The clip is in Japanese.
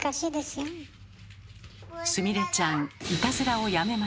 すみれちゃん